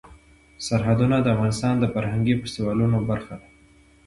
سرحدونه د افغانستان د فرهنګي فستیوالونو برخه ده.